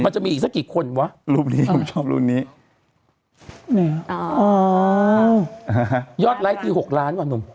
มันจะมีอีกสักกี่คนวะรูปนี้ผมชอบรูปนี้นี่อ๋ออ๋อยอดไลค์ทีหกล้านว่ะหนุ่ม